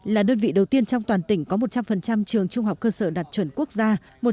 là đơn vị đầu tiên trong toàn tỉnh có một trăm linh trường trung học cơ sở đạt chuẩn quốc gia